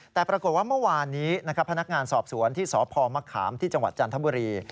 แต่ปรากฏว่าเมื่อวานนี้นะครับพนักงานสอบสวนที่สพมะขามที่จังหวัดจันทบุรี